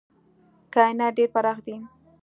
کاینات ډېر پراخ دي.